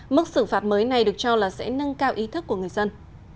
mức xử phạt mới này được cho là sẽ nâng cao ý thức của người dân